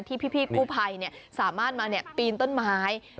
ที่พี่กู้ภัยสามารถมาปีนต้นไม้